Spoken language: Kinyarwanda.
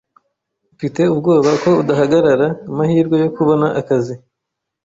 Mfite ubwoba ko udahagarara amahirwe yo kubona akazi.